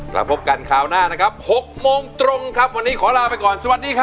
ไปกันคราวหน้าครับ๖โมงตรงครับมันนี้ขอลาไปก่อนสวัสดีค่ะ